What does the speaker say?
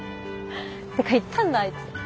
てか言ったんだあいつ。